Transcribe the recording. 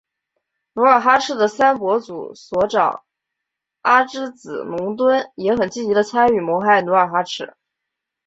努尔哈赤的三伯祖索长阿之子龙敦也很积极地参与谋害努尔哈赤。